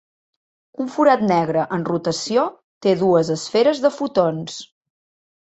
Un forat negre en rotació té dues esferes de fotons.